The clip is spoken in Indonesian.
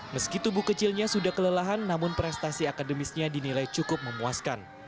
meski tubuh kecilnya sudah kelelahan namun prestasi akademisnya dinilai cukup memuaskan